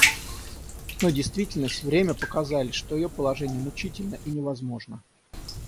Но действительность, время показали, что ее положение мучительно и невозможно.